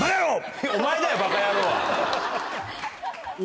お前だよ「バカヤロー」は。